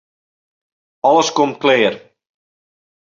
Alles komt klear.